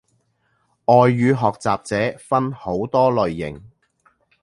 外語學習者分好多類型